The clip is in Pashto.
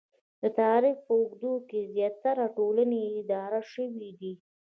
د تاریخ په اوږدو کې زیاتره ټولنې اداره شوې دي